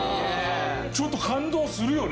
ちょっと感動するよね。